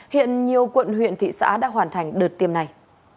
hiện nhiều quận huyện thị xã đã hoàn thành đợt tiêm này